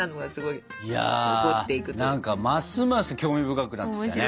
いや何かますます興味深くなってきたね。